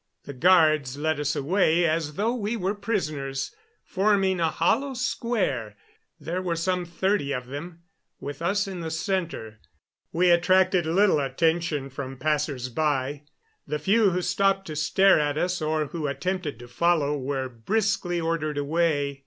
The guards led us away as though we were prisoners, forming a hollow square there were some thirty of them with us in the center. We attracted little attention from passersby; the few who stopped to stare at us, or who attempted to follow, were briskly ordered away.